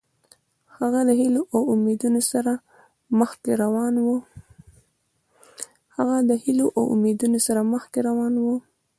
هغه د هیلو او امیدونو سره مخکې روان و.